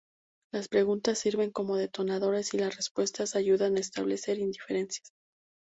Las preguntas sirven como detonadores y las respuestas ayudan a establecer inferencias.